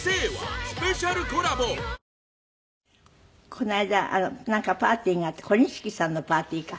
この間なんかパーティーがあってＫＯＮＩＳＨＩＫＩさんのパーティーか。